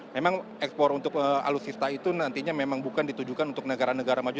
memang ekspor untuk alutsista itu nantinya memang bukan ditujukan untuk negara negara maju